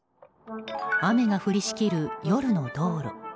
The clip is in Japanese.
雨が降りしきる夜の道路。